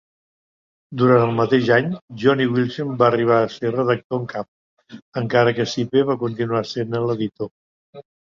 Durant el mateix any, Johnny Wilson va arribar a ser redactor en cap, encara que Sipe va continuar sent-ne l'editor.